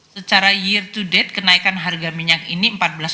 secara year to date kenaikan harga minyak ini rp empat belas